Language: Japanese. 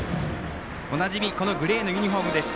おなじみグレーのユニフォームです。